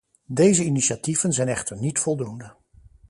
Deze initiatieven zijn echter niet voldoende.